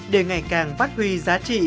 để ngày càng phát huy giá trị